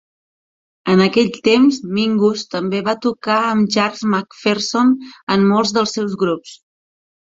En aquell temps, Mingus també va tocar amb Charles McPherson en molts dels seus grups.